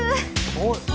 おい。